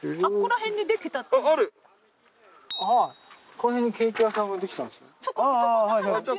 このへんにケーキ屋さんができたんですか？